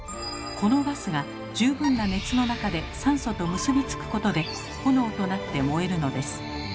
このガスが十分な熱の中で酸素と結び付くことで炎となって燃えるのです。